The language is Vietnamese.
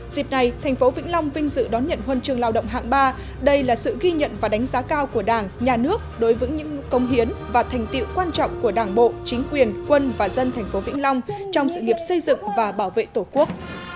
dịp này thành phố vĩnh long vinh dự đón nhận huân trường lao động hạng ba đây là sự ghi nhận và đánh giá cao của đảng nhà nước đối với những công hiến và thành tiệu quan trọng của đảng bộ chính quyền quân và dân thành phố vĩnh long trong sự nghiệp xây dựng và bảo vệ tổ quốc